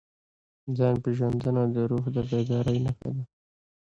ځان پېژندنه د روح د بیدارۍ نښه ده.